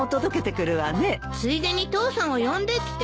ついでに父さんを呼んできて。